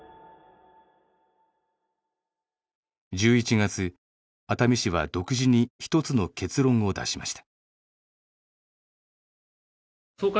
１１月熱海市は独自に一つの結論を出しました。